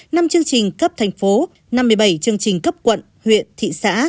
năm chương trình cấp thành phố năm một mươi bảy chương trình cấp quận huyện thị xã